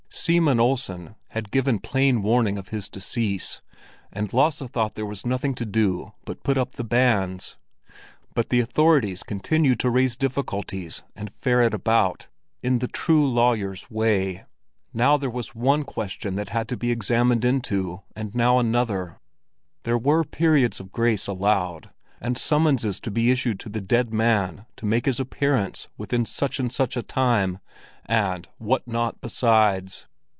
Seaman Olsen had given plain warning of his decease, and Lasse thought there was nothing to do but put up the banns; but the authorities continued to raise difficulties and ferret about, in the true lawyers' way. Now there was one question that had to be examined into, and now another; there were periods of grace allowed, and summonses to be issued to the dead man to make his appearance within such and such a time, and what not besides!